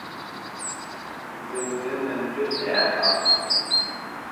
Nzənzí nə́ njywi tɛ̌ŋkaʼ.